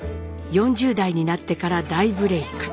４０代になってから大ブレイク。